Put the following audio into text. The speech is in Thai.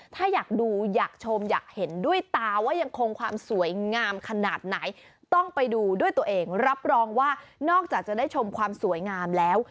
ถ้าอยากดูอยากชมอยากเห็นด้วยตาว่ายังคงความสวยงามขนาดไหนต้องไปดูด้วยตัวเองรับรองว่านอกจากจะได้ชมความสวยงามแล้ว